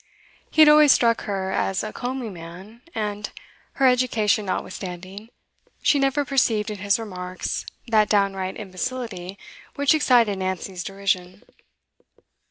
He had always struck her as a comely man, and, her education notwithstanding, she never perceived in his remarks that downright imbecility which excited Nancy's derision.